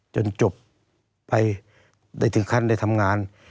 จนจบไปได้ถึงขั้นได้ทำงาน